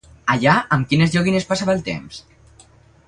Allà, amb quines joguines passava el temps?